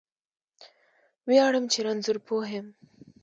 ویاړم چې رانځور پوه یم